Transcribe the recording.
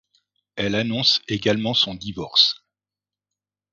Elle annonce également son divorce.